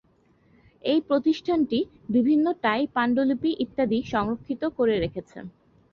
এই প্রতিষ্ঠানটি বিভিন্ন টাই পাণ্ডুলিপি ইত্যাদি সংরক্ষিত করে রেখেছে।